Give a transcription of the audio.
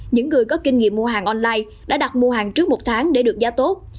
những người có kinh nghiệm mua hàng online đã đặt mua hàng trước một tháng để được giá tốt